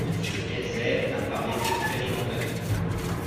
Monsieur Hetzel a parlé d’expérimentation.